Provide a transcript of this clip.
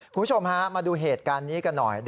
คุณผู้ชมฮะมาดูเหตุการณ์นี้กันหน่อย